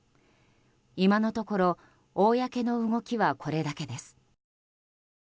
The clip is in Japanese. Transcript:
今のところ公の動きはこれだけです。